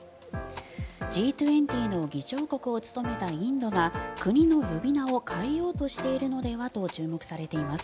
Ｇ２０の議長国を務めたインドが国の呼び名を変えようとしているのではと注目されています。